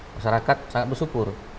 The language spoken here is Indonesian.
masyarakat sangat bersyukur